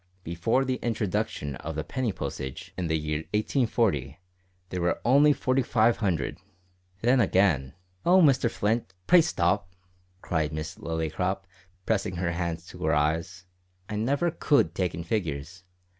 Before the introduction of the penny postage in the year 1840 there were only 4500! Then, again " "O Mr Flint! pray stop!" cried Miss Lillycrop, pressing her hands to her eyes; "I never could take in figures.